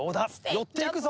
寄っていくぞ。